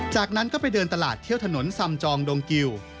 จากนั้นก็ไปเดินตลาดเที่ยวถนนซำจองดงกิว